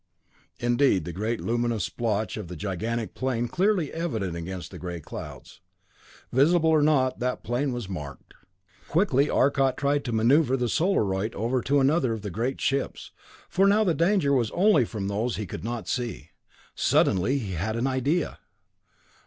Indeed, the great luminous splotch made the gigantic plane clearly evident against the gray clouds. Visible or not, that plane was marked. Quickly Arcot tried to maneuver the Solarite over another of the great ships, for now the danger was only from those he could not see. Suddenly he had an idea.